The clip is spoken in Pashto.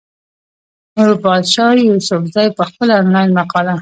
نوربادشاه يوسفزۍ پۀ خپله انلاين مقاله